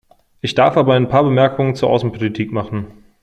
Ich darf aber ein paar Bemerkungen zur Außenpolitik machen.